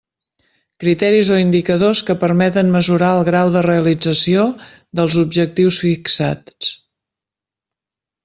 Criteris o indicadors que permeten mesurar el grau de realització dels objectius fixats.